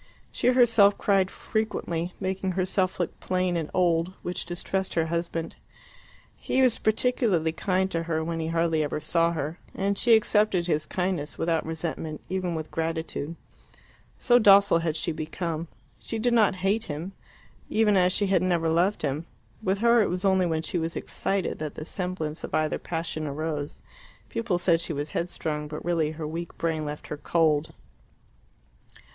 She herself cried frequently, making herself look plain and old, which distressed her husband. He was particularly kind to her when he hardly ever saw her, and she accepted his kindness without resentment, even with gratitude, so docile had she become. She did not hate him, even as she had never loved him; with her it was only when she was excited that the semblance of either passion arose. People said she was headstrong, but really her weak brain left her cold.